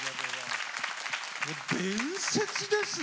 伝説ですね